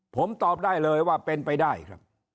ผมตอบได้เลยว่าเป็นไปได้ครับ